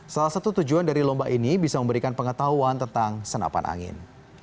salah satu tujuan dari lomba ini bisa memberikan pengetahuan tentang senapan angin